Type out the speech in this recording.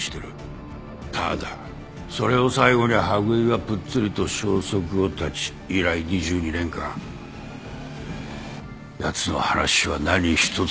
ただそれを最後に羽喰はぷっつりと消息を絶ち以来２２年間やつの話は何ひとつ聞こえてこなかった。